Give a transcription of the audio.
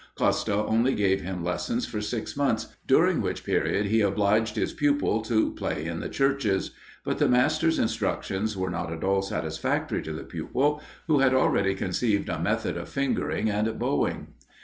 Costa only gave him lessons for six months, during which period he obliged his pupil to play in the churches. But the master's instructions were not at all satisfactory to the pupil, who had already conceived a method of fingering and bowing.